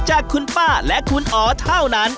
จากคุณป้าและคุณอ๋อเท่านั้น